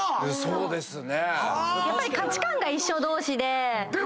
そうですね。